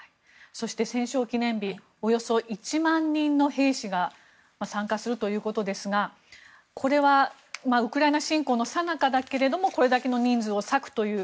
戦勝記念日およそ１万人の兵士が参加するということですがこれはウクライナ侵攻のさなかだけれどもこれだけの人数を割くという。